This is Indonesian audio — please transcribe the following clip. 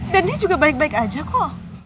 dan dia juga baik baik aja kok